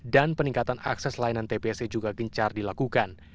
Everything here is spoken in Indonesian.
dan peningkatan akses layanan tbc juga gencar dilakukan